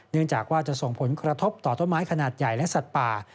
จากว่าจะส่งผลกระทบต่อต้นไม้ขนาดใหญ่และสัตว์ป่า